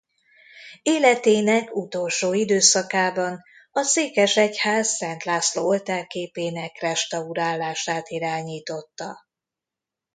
Életének utolsó időszakában a székesegyház Szent László-oltárképének restaurálását irányította.